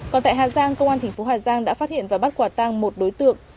còn tại hà giang công an tp hà giang đã phát hiện và bắt quả tăng một đối tượng